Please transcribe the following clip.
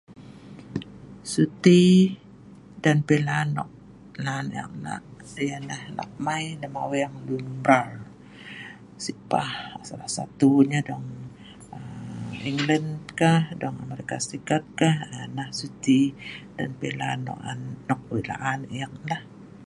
suti dan pilan nok nan ek lak ialah lak mei lem aweng lun mral sik pah salah satunya dong aa England ka dong Amerika Syarikat ka aa nah suti ngan pilan nok ek weik la'an ek lah